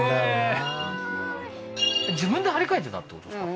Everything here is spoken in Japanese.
自分で張り替えてたってことですか？